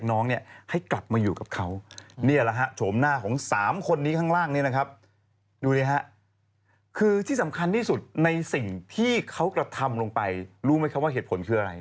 คือที่สำคัญที่สุดในสิ่งที่เขากระทำลงไปรู้ไหมคะว่าเหตุผลคืออะไร